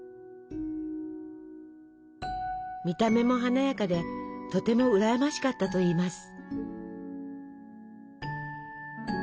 見た目も華やかでとてもうらやましかったといいます。